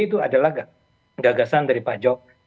itu adalah gagasan dari pak jokowi